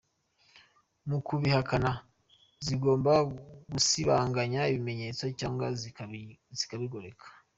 Mu kubihakana zigomba gusibanganya ibimenyetso cyangwa zikabigoreka.